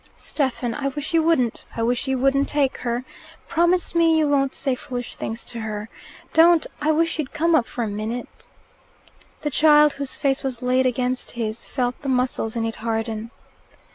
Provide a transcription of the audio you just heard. "Stephen, I wish you wouldn't. I wish you wouldn't take her. Promise you won't say foolish things to her. Don't I wish you'd come up for a minute " The child, whose face was laid against his, felt the muscles in it harden.